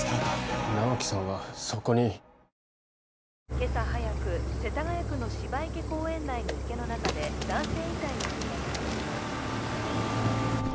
今朝早く世田谷区の芝池公園内の池の中で男性遺体が発見されました